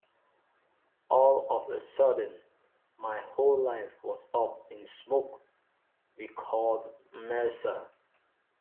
All of a sudden my whole life was up in smoke, recalled Mercer.